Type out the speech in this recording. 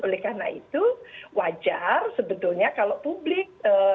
oleh karena itu wajar sebetulnya kalau publik